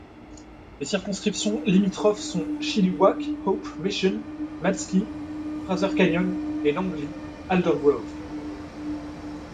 Les circonscriptions limitrophes sont Chilliwack—Hope, Mission—Matsqui—Fraser Canyon et Langley—Aldergrove.